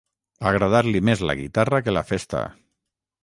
Agradar-li més la guitarra que la festa.